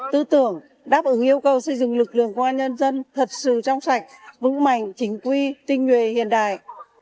tư tưởng đáp ứng yêu cầu xây dựng lực lượng công an nhân dân thật sự trong sạch vững mạnh chính quy tinh nguyện hiện đại